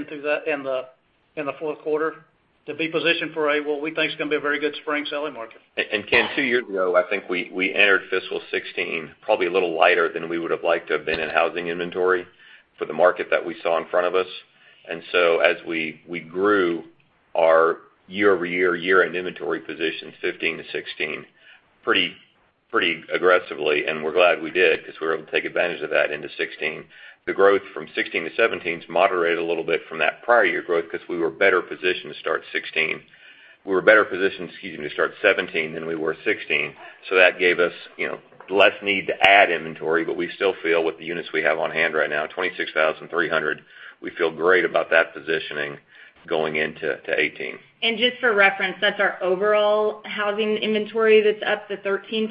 in the fourth quarter to be positioned for what we think is going to be a very good spring selling market. Ken, two years ago, I think we entered fiscal 2016 probably a little lighter than we would've liked to have been in housing inventory for the market that we saw in front of us. As we grew our year-over-year, year-end inventory position 2015 to 2016 pretty aggressively, and we're glad we did because we were able to take advantage of that into 2016. The growth from 2016 to 2017's moderated a little bit from that prior year growth because we were better positioned to start 2016. We were better positioned, excuse me, to start 2017 than we were 2016, that gave us less need to add inventory, but we still feel with the units we have on hand right now, 26,300, we feel great about that positioning going into 2018. Just for reference, that's our overall housing inventory that's up the 13%.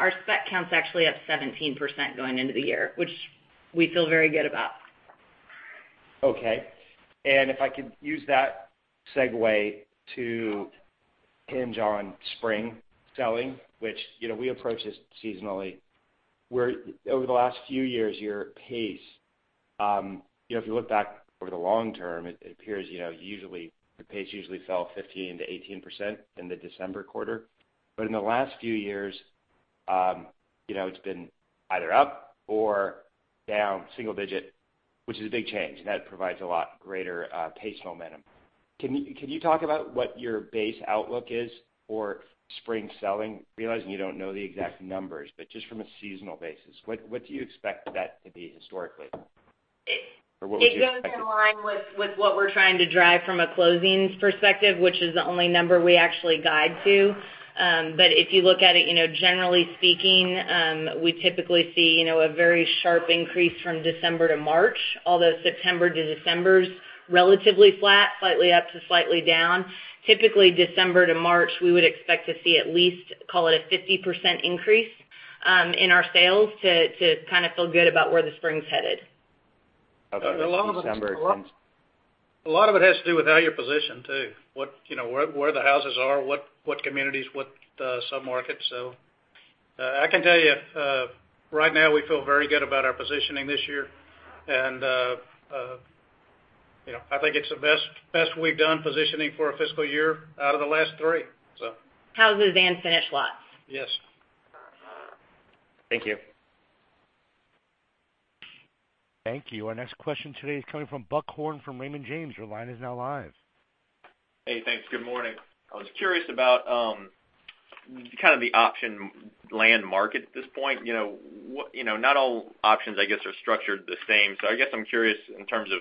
Our spec count's actually up 17% going into the year, which we feel very good about. Okay. If I could use that segue to hinge on spring selling, which we approach this seasonally, where over the last few years, your pace, if you look back over the long term, it appears the pace usually fell 15%-18% in the December quarter. In the last few years, it's been either up or down single digit, which is a big change, and that provides a lot greater pace momentum. Can you talk about what your base outlook is for spring selling? Realizing you don't know the exact numbers, but just from a seasonal basis, what do you expect that to be historically? Or what would you expect it to be? It goes in line with what we're trying to drive from a closings perspective, which is the only number we actually guide to. If you look at it, generally speaking, we typically see a very sharp increase from December to March, although September to December is relatively flat, slightly up to slightly down. Typically, December to March, we would expect to see at least, call it, a 50% increase in our sales to feel good about where the spring's headed. Okay. December to March. A lot of it has to do with how you're positioned, too. Where the houses are, what communities, what sub-markets. I can tell you, right now, we feel very good about our positioning this year. I think it's the best we've done positioning for a fiscal year out of the last three, so Houses and finished lots. Yes. Thank you. Thank you. Our next question today is coming from Buck Horne from Raymond James. Your line is now live. Hey, thanks. Good morning. I was curious about the option land market at this point. Not all options, I guess, are structured the same. I guess I'm curious in terms of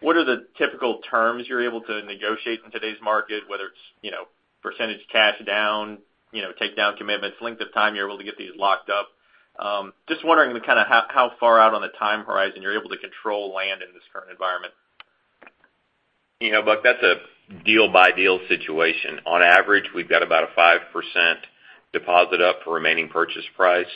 what are the typical terms you're able to negotiate in today's market, whether it's percentage cash down, take down commitments, length of time you're able to get these locked up. Just wondering how far out on the time horizon you're able to control land in this current environment. Buck, that's a deal by deal situation. On average, we've got about a 5% deposit up for remaining purchase price.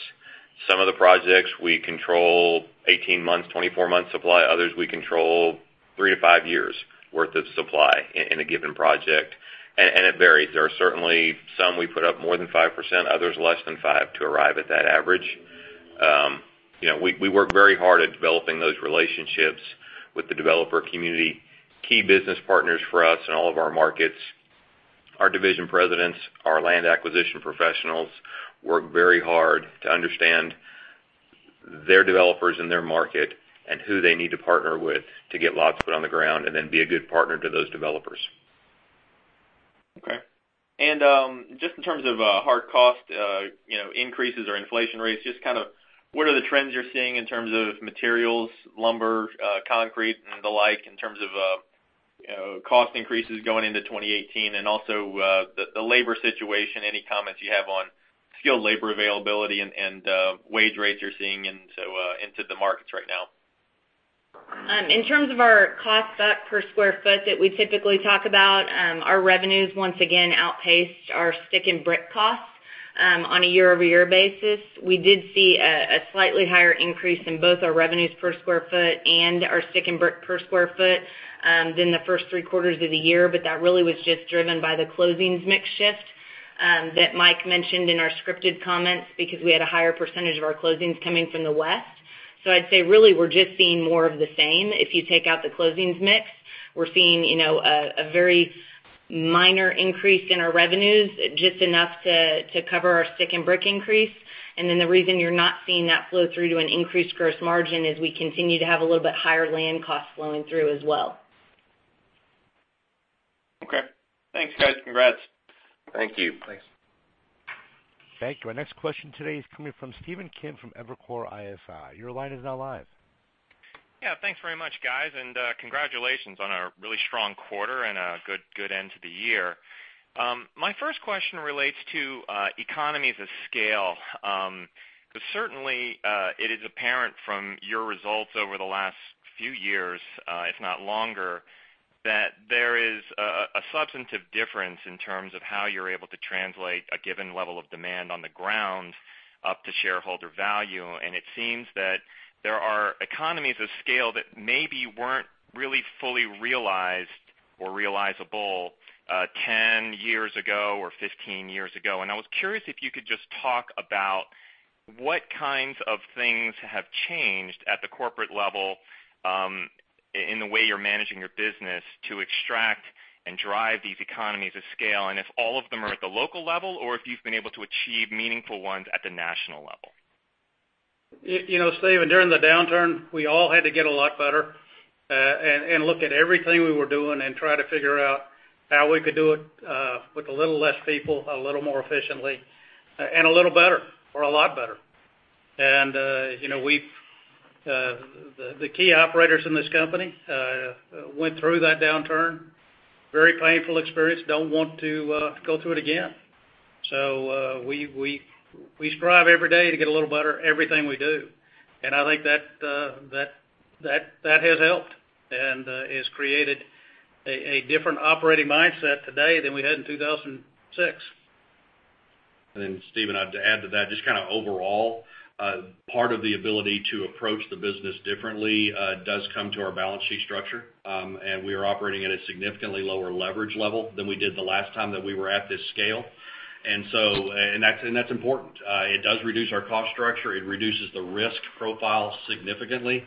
Some of the projects, we control 18 months, 24 months supply. Others, we control three to five years' worth of supply in a given project. It varies. There are certainly some we put up more than 5%, others less than 5% to arrive at that average. We work very hard at developing those relationships with the developer community. Key business partners for us in all of our markets. Our division presidents, our land acquisition professionals work very hard to understand their developers and their market and who they need to partner with to get lots put on the ground and then be a good partner to those developers. Okay. Just in terms of hard cost increases or inflation rates, just what are the trends you're seeing in terms of materials, lumber, concrete, and the like, in terms of cost increases going into 2018? The labor situation, any comments you have on skilled labor availability and wage rates you're seeing into the markets right now? In terms of our cost up per square foot that we typically talk about, our revenues, once again, outpaced our stick and brick costs on a year-over-year basis. We did see a slightly higher increase in both our revenues per square foot and our stick and brick per square foot than the first three quarters of the year. That really was just driven by the closings mix shift that Mike mentioned in our scripted comments, because we had a higher percentage of our closings coming from the West. I'd say really, we're just seeing more of the same if you take out the closings mix. We're seeing a very minor increase in our revenues, just enough to cover our stick and brick increase. The reason you're not seeing that flow through to an increased gross margin is we continue to have a little bit higher land costs flowing through as well. Okay. Thanks, guys. Congrats. Thank you. Thanks. Thank you. Our next question today is coming from Stephen Kim from Evercore ISI. Your line is now live. Yeah. Thanks very much, guys. Congratulations on a really strong quarter and a good end to the year. My first question relates to economies of scale. Because certainly, it is apparent from your results over the last few years, if not longer, that there is a substantive difference in terms of how you're able to translate a given level of demand on the ground up to shareholder value. It seems that there are economies of scale that maybe weren't really fully realized or realizable 10 years ago or 15 years ago. I was curious if you could just talk about what kinds of things have changed at the corporate level in the way you're managing your business to extract and drive these economies of scale, and if all of them are at the local level, or if you've been able to achieve meaningful ones at the national level. Stephen, during the downturn, we all had to get a lot better, look at everything we were doing and try to figure out how we could do it with a little less people, a little more efficiently, and a little better, or a lot better. The key operators in this company went through that downturn. Very painful experience. Don't want to go through it again. We strive every day to get a little better everything we do. I think that has helped, and has created a different operating mindset today than we had in 2006. Steven, I'd add to that, just kind of overall, part of the ability to approach the business differently does come to our balance sheet structure. We are operating at a significantly lower leverage level than we did the last time that we were at this scale. That's important. It does reduce our cost structure. It reduces the risk profile significantly.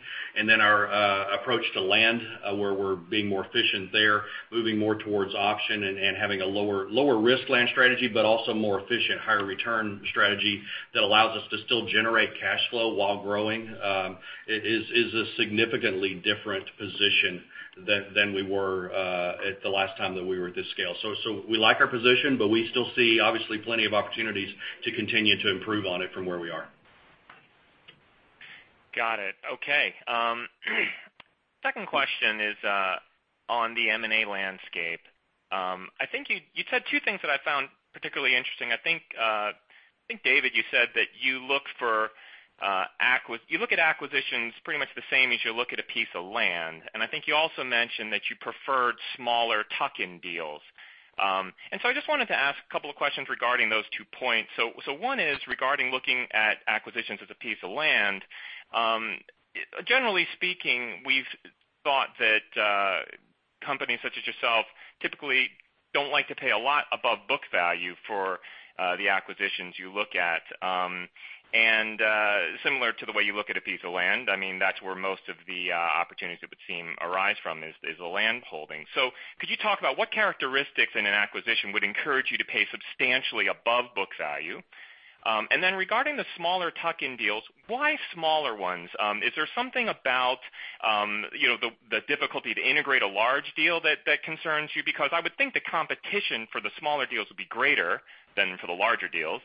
Our approach to land, where we're being more efficient there, moving more towards option and having a lower risk land strategy, but also more efficient, higher return strategy that allows us to still generate cash flow while growing, is a significantly different position than we were at the last time that we were at this scale. We like our position, but we still see, obviously, plenty of opportunities to continue to improve on it from where we are. Got it. Okay. Second question is on the M&A landscape. I think you said two things that I found particularly interesting. I think, David, you said that you look at acquisitions pretty much the same as you look at a piece of land, and I think you also mentioned that you preferred smaller tuck-in deals. I just wanted to ask a couple of questions regarding those two points. One is regarding looking at acquisitions as a piece of land. Generally speaking, we've thought that companies such as yourself typically don't like to pay a lot above book value for the acquisitions you look at. Similar to the way you look at a piece of land, that's where most of the opportunities it would seem arise from, is the land holding. Could you talk about what characteristics in an acquisition would encourage you to pay substantially above book value? Then regarding the smaller tuck-in deals, why smaller ones? Is there something about the difficulty to integrate a large deal that concerns you? I would think the competition for the smaller deals would be greater than for the larger deals,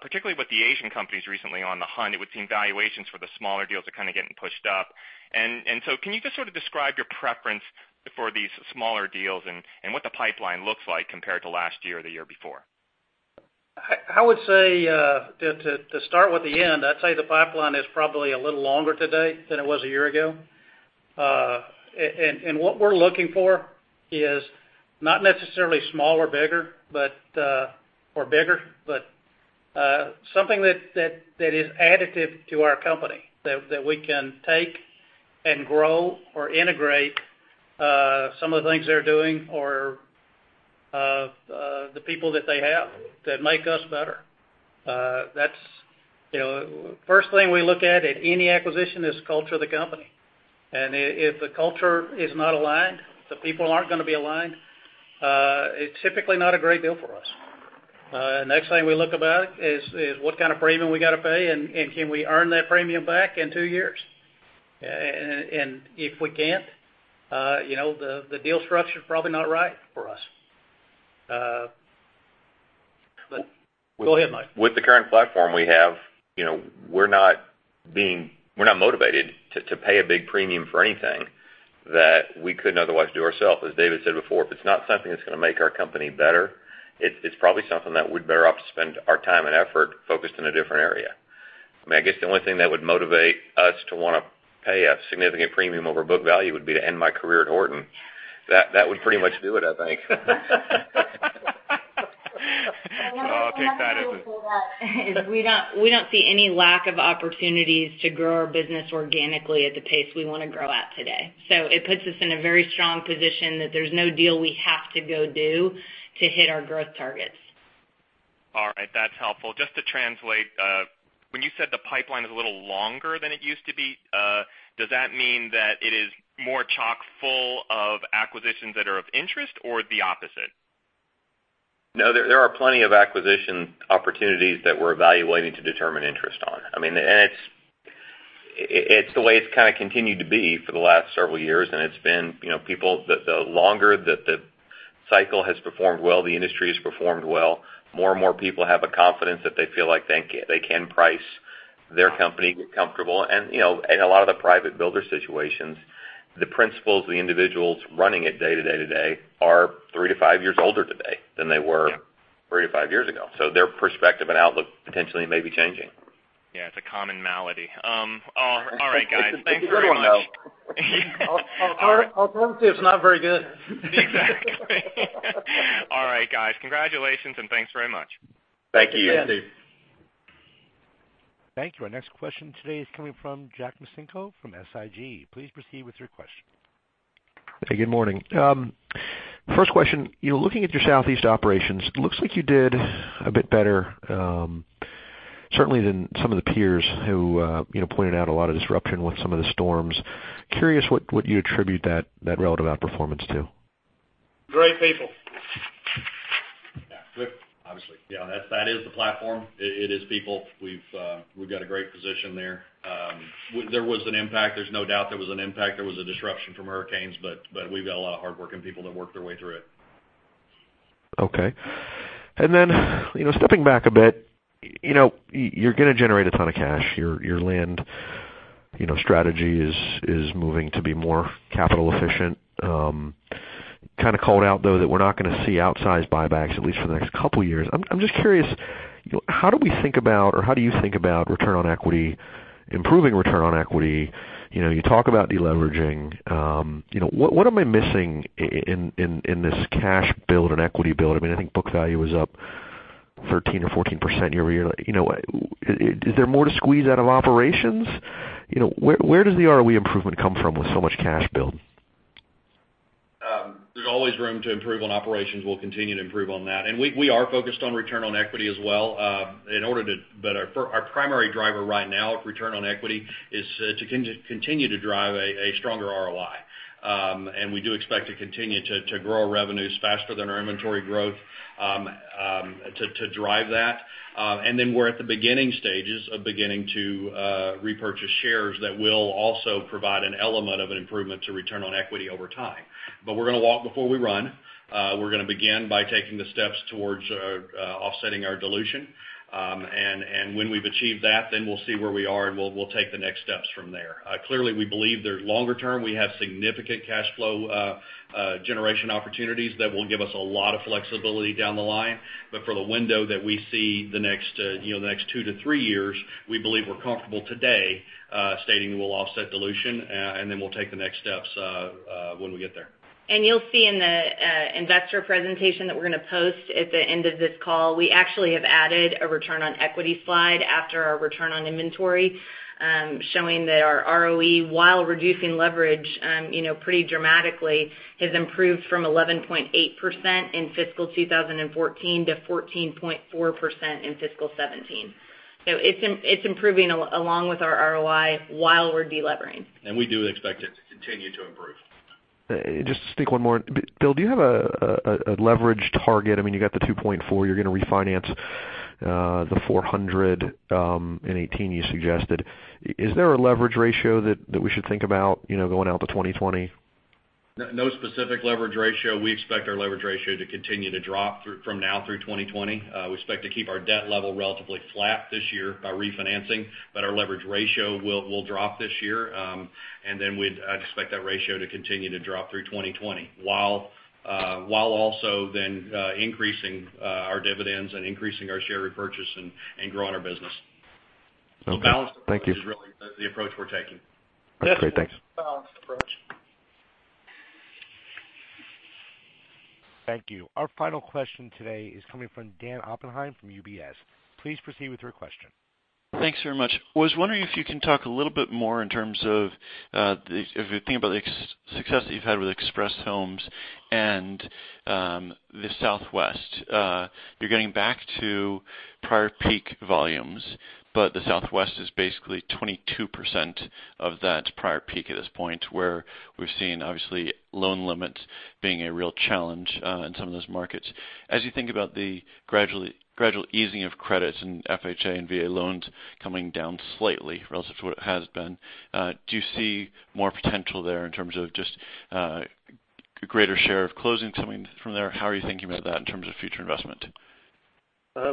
particularly with the Asian companies recently on the hunt, it would seem valuations for the smaller deals are kind of getting pushed up. Can you just sort of describe your preference for these smaller deals and what the pipeline looks like compared to last year or the year before? I would say, to start with the end, I'd say the pipeline is probably a little longer today than it was a year ago. What we're looking for is not necessarily small or bigger, but something that is additive to our company, that we can take and grow or integrate some of the things they're doing or the people that they have that make us better. First thing we look at at any acquisition is culture of the company. If the culture is not aligned, the people aren't going to be aligned, it's typically not a great deal for us. Next thing we look about is what kind of premium we got to pay and can we earn that premium back in two years? If we can't, the deal structure's probably not right for us. Go ahead, Mike. With the current platform we have, we're not motivated to pay a big premium for anything that we couldn't otherwise do ourself. As David said before, if it's not something that's going to make our company better, it's probably something that we're better off to spend our time and effort focused in a different area. I guess the only thing that would motivate us to want to pay a significant premium over book value would be to end my career at Horton. That would pretty much do it, I think. One other thing I will pull out, is we don't see any lack of opportunities to grow our business organically at the pace we want to grow at today. It puts us in a very strong position that there's no deal we have to go do to hit our growth targets. All right, that's helpful. Just to translate, when you said the pipeline is a little longer than it used to be, does that mean that it is more chock-full of acquisitions that are of interest or the opposite? There are plenty of acquisition opportunities that we're evaluating to determine interest on. It's the way it's kind of continued to be for the last several years, the longer that the cycle has performed well, the industry has performed well. More and more people have a confidence that they feel like they can price their company comfortable. In a lot of the private builder situations, the principals, the individuals running it day to day to day are three to five years older today than they were three to five years ago. Their perspective and outlook potentially may be changing. Yeah, it's a common malady. All right, guys. Thanks very much. It's a good one, though. Yeah. Alzheimer's is not very good. Exactly. All right, guys. Congratulations, thanks very much. Thank you. Thanks. Thank you. Thank you. Our next question today is coming from John Micenko from SIG. Please proceed with your question. Hey, good morning. First question. Looking at your Southeast operations, looks like you did a bit better, certainly than some of the peers who pointed out a lot of disruption with some of the storms. Curious what you attribute that relative outperformance to. Great people. Obviously. That is the platform. It is people. We've got a great position there. There was an impact. There's no doubt there was an impact. There was a disruption from hurricanes, but we've got a lot of hardworking people that worked their way through it. Okay. Stepping back a bit, you're going to generate a ton of cash. Your land strategy is moving to be more capital efficient. Kind of called out, though, that we're not going to see outsized buybacks, at least for the next couple of years. I'm just curious, how do we think about, or how do you think about return on equity, improving return on equity? You talk about de-leveraging. What am I missing in this cash build and equity build? I think book value is up 13 or 14% year-over-year. Is there more to squeeze out of operations? Where does the ROE improvement come from with so much cash build? There's always room to improve on operations. We'll continue to improve on that. We are focused on return on equity as well. Our primary driver right now of return on equity is to continue to drive a stronger ROI. We do expect to continue to grow our revenues faster than our inventory growth to drive that. We're at the beginning stages of beginning to repurchase shares that will also provide an element of an improvement to return on equity over time. We're going to walk before we run. We're going to begin by taking the steps towards offsetting our dilution. When we've achieved that, we'll see where we are, and we'll take the next steps from there. Clearly, we believe there's longer term, we have significant cash flow generation opportunities that will give us a lot of flexibility down the line. For the window that we see the next two to three years, we believe we're comfortable today stating we'll offset dilution, and we'll take the next steps when we get there. You'll see in the investor presentation that we're going to post at the end of this call, we actually have added a return on equity slide after our return on inventory, showing that our ROE, while reducing leverage pretty dramatically, has improved from 11.8% in fiscal 2014 to 14.4% in fiscal 2017. It's improving along with our ROI while we're de-levering. We do expect it to continue to improve. Just to speak one more. Bill, do you have a leverage target? I mean, you got the 2.4, you're going to refinance the $400 in 2018 you suggested. Is there a leverage ratio that we should think about going out to 2020? No specific leverage ratio. We expect our leverage ratio to continue to drop from now through 2020. We expect to keep our debt level relatively flat this year by refinancing, but our leverage ratio will drop this year. Then we'd expect that ratio to continue to drop through 2020 while also then increasing our dividends and increasing our share repurchase and growing our business. Okay. Thank you. Balanced approach is really the approach we're taking. Okay, thanks. Balanced approach. Thank you. Our final question today is coming from Dan Oppenheim from UBS. Please proceed with your question. Thanks very much. Was wondering if you can talk a little bit more in terms of, if you think about the success that you've had with Express Homes and the Southwest. You're getting back to prior peak volumes, but the Southwest is basically 22% of that prior peak at this point, where we've seen, obviously, loan limits being a real challenge in some of those markets. As you think about the gradual easing of credits and FHA and VA loans coming down slightly relative to what it has been, do you see more potential there in terms of just a greater share of closing coming from there? How are you thinking about that in terms of future investment?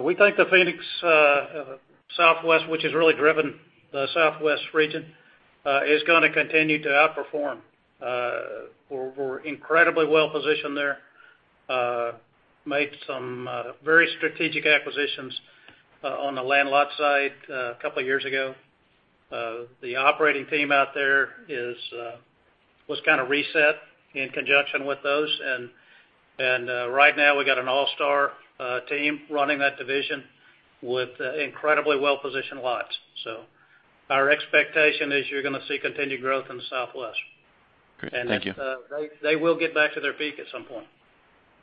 We think the Phoenix Southwest, which has really driven the Southwest region, is going to continue to outperform. We're incredibly well-positioned there. Made some very strategic acquisitions on the land lot site a couple of years ago. The operating team out there was kind of reset in conjunction with those, and right now, we got an all-star team running that division with incredibly well-positioned lots. Our expectation is you're going to see continued growth in the Southwest. Great. Thank you. They will get back to their peak at some point.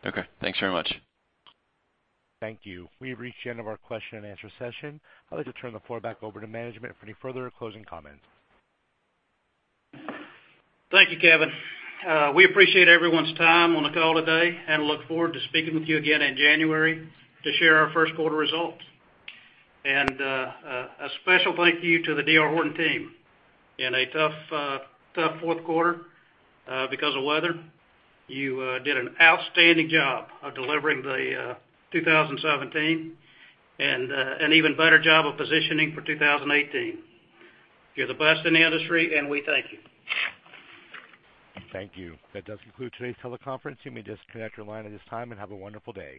Okay. Thanks very much. Thank you. We've reached the end of our question and answer session. I'd like to turn the floor back over to management for any further closing comments. Thank you, Kevin. We appreciate everyone's time on the call today, and look forward to speaking with you again in January to share our first quarter results. A special thank you to the D.R. Horton team. In a tough fourth quarter because of weather, you did an outstanding job of delivering the 2017 and an even better job of positioning for 2018. You're the best in the industry, and we thank you. Thank you. That does conclude today's teleconference. You may disconnect your line at this time, and have a wonderful day.